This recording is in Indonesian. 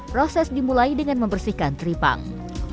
proses dimulai dengan membersihkan tripang